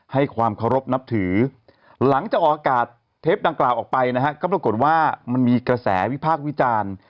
ให้ความเคารพนับถือหลังจากออกอากาศเทปดังกล่าวออกไปนะฮะก็ปรากฏว่ามันมีกระแสวิพากษ์วิจารณ์